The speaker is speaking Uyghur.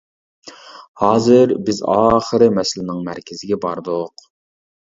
ھازىر، بىز ئاخىرى مەسىلىنىڭ مەركىزىگە باردۇق.